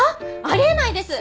あり得ないです。